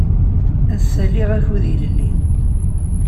Ass-a, liɣ akud ilelli.